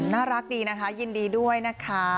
น่ารักดีนะคะยินดีด้วยนะคะ